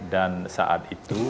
dan saat itu